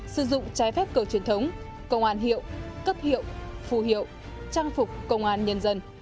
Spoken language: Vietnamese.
sử dụng trái phép cờ truyền thống công an hiệu cấp hiệu phù hiệu trang phục công an nhân dân